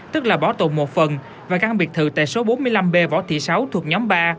tức là bảo tồn một phần và căn biệt thự tại số bốn mươi năm b võ thị sáu thuộc nhóm ba